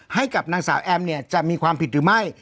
ให้กับนางสาวแอมเนี่ยจะมีความผิดหรือไม่